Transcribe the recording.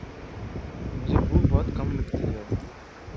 مجھے بھوک بہت کم لگتی ہے